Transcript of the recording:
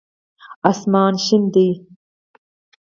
آسمان شين دی.